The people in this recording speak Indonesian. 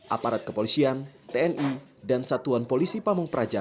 aparat kepolisian tni dan satuan polisi pamung praja